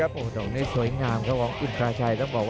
ดูเลยครับ